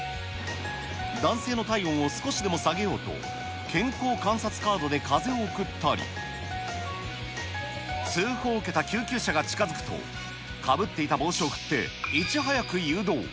男性の体温を少しでも下げようと、健康観察カードで風を送ったり、通報を受けた救急車が近づくと、かぶっていた帽子を振って、いち早く誘導。